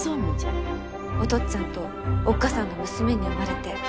お父っつぁんとおっ母さんの娘に生まれて本当に幸せでした！